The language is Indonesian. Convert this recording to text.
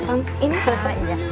ini berapa iya